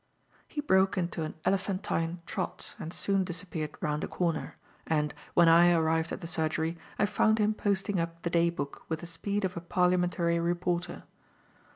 He broke into an elephantine trot and soon disappeared round a corner, and, when I arrived at the surgery, I found him posting up the day book with the speed of a parliamentary reporter.